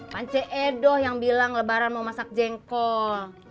pan cik edo yang bilang lebaran mau masak jengkol